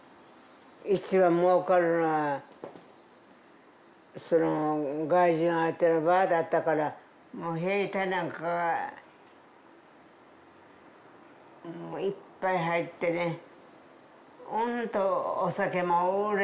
一番もうかるのはその外人相手のバーだったからもう兵隊なんかがいっぱい入ってねうんとお酒も売れた。